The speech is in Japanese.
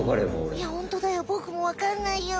いやホントだよボクも分かんないよ。